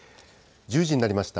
１０時になりました。